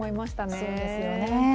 そうですね。